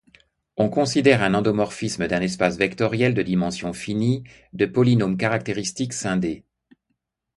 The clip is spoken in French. On considère un endomorphisme d'un espace vectoriel de dimension finie, de polynôme caractéristique scindé.